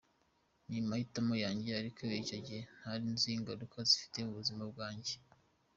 Ni amahitamo yanjye, ariko icyo gihe ntari nzi ingaruka zifite ku buzima bwanjye.